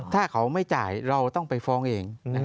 ถ้าเขาไม่จ่ายเราต้องไปฟ้องเอง